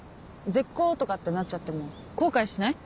絶交とかってなっちゃっても後悔しない？